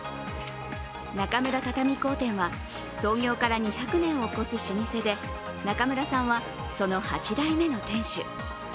中村畳工店は、創業から２００年を超す老舗で中村さんは、その８代目の店主。